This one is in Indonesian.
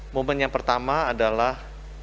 momen yang pertama adalah